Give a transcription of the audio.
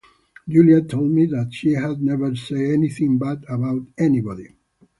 Julia told me that she had never said anything bad about anybody.